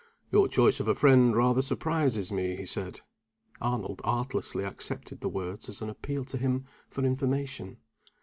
"Your choice of a friend rather surprises me," he said. Arnold artlessly accepted the words as an appeal to him for information.